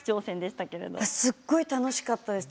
すごい楽しかったです。